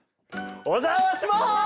お邪魔します！